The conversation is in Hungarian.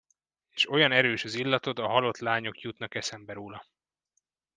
És olyan erős az illatod, a halott lányok jutnak eszembe róla.